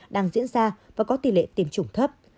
đang diễn ra và có tỷ lệ tiêm chủng thấp